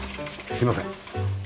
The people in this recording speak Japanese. すいません。